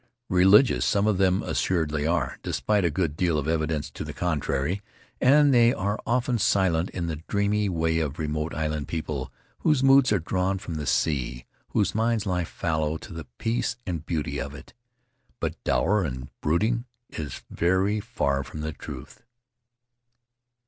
Religious some of them assuredly are, despite a good deal of evidence to the contrary, and they are often silent in the dreamy way of remote island people whose moods are drawn from the sea, whose minds lie fallow to the peace and the beauty of it. But "dour and brooding" is very far from the truth.